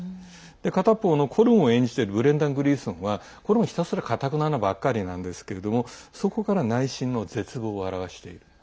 片方のコルムを演じているブレンダン・グリーソンはコルムはひたすら、かたくななばっかりなんですけれどもそこから内心の絶望を表している。